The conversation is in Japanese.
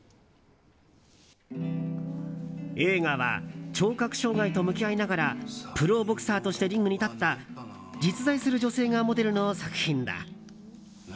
映画は聴覚障害と向き合いながらプロボクサーとしてリングに立った実在する女性がモデルの作品だ。